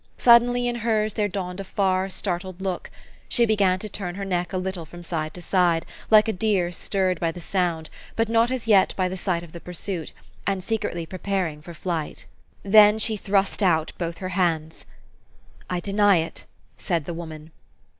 Suddenly in hers there dawned a far, startled look : she began to turn her neck a little from side to side, like a deer stirred by the sound, but not as yet by the sight of pursuit, and secretly preparing for flight. Then she thrust out both her hands. " I deny it ! V said the woman.